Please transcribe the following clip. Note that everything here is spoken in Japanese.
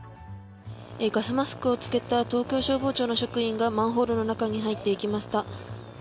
ガスマスクをつけた東京消防庁の職員がマンホールの中に入っていきました。